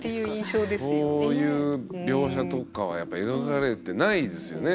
そういう描写とかはやっぱり描かれてないですよね